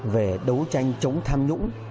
về đấu tranh chống tham nhũng